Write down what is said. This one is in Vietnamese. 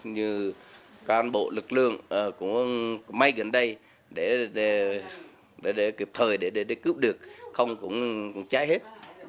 nhiều can bộ lực lượng cũng may gần đây để kịp thời để cướp được không cũng cháy hết